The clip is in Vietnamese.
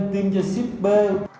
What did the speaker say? tiêm cho shipper